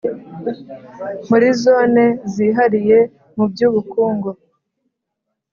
muri Zone Zihariye mu by Ubukungu